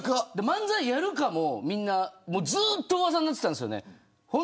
漫才やるかも、みんなずっとうわさになっていたんですよ。